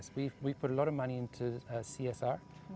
kami telah meletakkan banyak uang ke csr